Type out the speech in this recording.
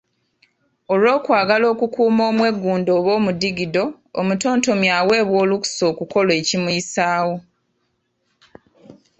Olw’okwagala okukuuma omweggundo oba omudigido, omutontomi aweebwa olukusa okukola ekimuyisaawo.